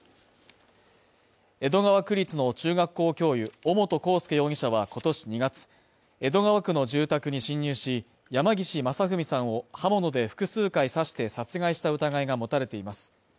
江戸川区立の中学校教諭尾本幸祐容疑者は今年２月、江戸川区の住宅に侵入し、山岸正文さんを刃物で複数回刺して殺害した疑いが持たれています。